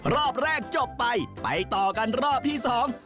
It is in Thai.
รอบแรกจบไปไปต่อกันรอบที่สอง